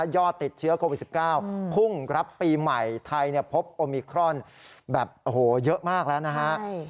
ยอดติดเชื้อโควิด๑๙พรุ่งปีใหม่ไทยพบโอมิครอนเยอะมากแล้วนะครับ